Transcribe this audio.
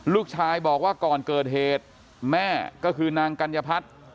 ลูกชายบอกว่าก่อนเกิดเหตุแม่ก็คือนางกัญญพัฒน์